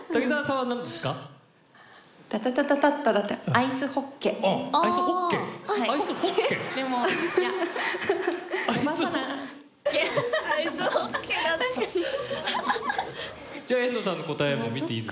はい。